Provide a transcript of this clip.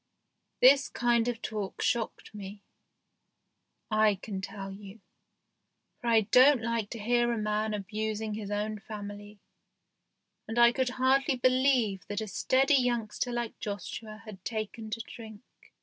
This kind of talk shocked me, I can tell you, for I don't like to hear a man abusing his own family, and I could hardly believe that a steady youngster like Joshua had taken to drink.